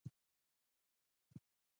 هلک د همت او زغم څښتن دی.